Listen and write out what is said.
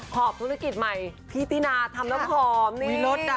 ขอบธุรกิจใหม่พี่ตินาทำน้ำหอมนี่ลดนะ